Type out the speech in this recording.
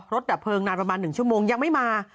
ดับเพลิงนานประมาณ๑ชั่วโมงยังไม่มา